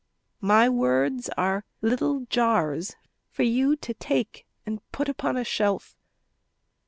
My words are little jars For you to take and put upon a shelf.